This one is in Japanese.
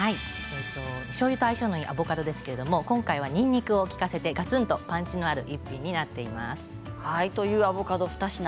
しょうゆと相性のいいアボカドですが今回はにんにくを利かせてがつんとパンチがある一品になっています。